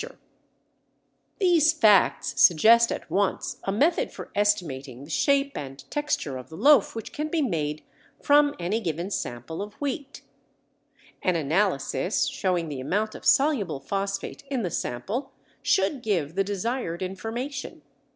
It shows varying degrees of coherence, but is brittle or "short"] These facts suggest at once a method for estimating the shape and texture of the loaf which can be made from any given sample of wheat. An analysis showing the amount of soluble phosphate in the sample should give the desired information.